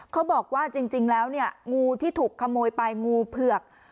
เขาบอกว่าจริงแล้วเนี่ยงูที่ถูกขโมยไปงูเผือก